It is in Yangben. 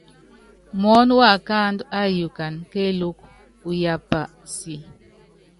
Muɔ́nɔ wákáandú áyukana kéelúku, uyaapa si.